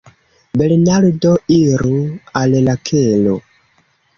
Bernardo: Iru al la kelo.